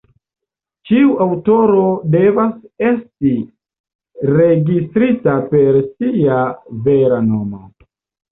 Ĉiu aŭtoro devas esti registrita per sia vera nomo.